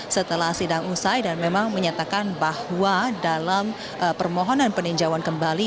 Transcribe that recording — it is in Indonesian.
setelah sidang usai dan memang menyatakan bahwa dalam permohonan peninjauan kembali